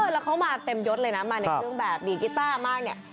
แล้วเขามาเต็มยดเลยนะมาในเครื่องแบบดีกีต้ามากเนี่ย